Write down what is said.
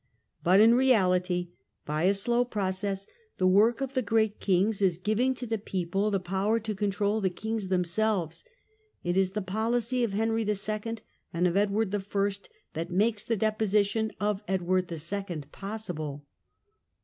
But in reality, by ; slow process, the work of the great kings is giving to the people the power to control the kings themselves : it is the policy of Henry II. and of Edward I. that makes the deposition of Edward II. possible.